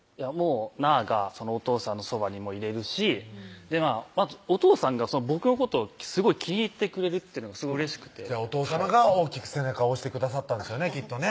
なーがおとうさんのそばにもいれるしおとうさんが僕のことすごい気に入ってくれるってのがすごいうれしくてお父さまが大きく背中を押してくださったんですね